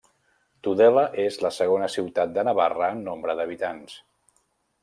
Tudela és la segona ciutat de Navarra en nombre d'habitants.